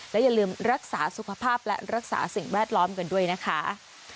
และอย่าลืมรักษาสุขภาพและรักษาสิ่งแวดล้อมกันด้วยนะคะ